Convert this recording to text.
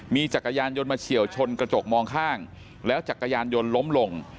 มีจักรยานยนต์มาเฉียวชนกระจกมองข้างแล้วจักรยานยนต์ล้มลง